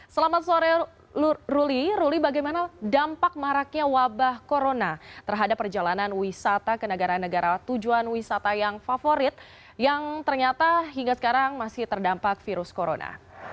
selamat sore ruli ruli bagaimana dampak maraknya wabah corona terhadap perjalanan wisata ke negara negara tujuan wisata yang favorit yang ternyata hingga sekarang masih terdampak virus corona